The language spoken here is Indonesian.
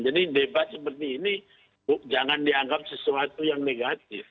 jadi debat seperti ini bu jangan dianggap sesuatu yang negatif